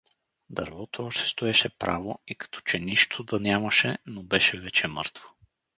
Дървото още стоеше право и като че нищо да нямаше, но беше вече мъртво.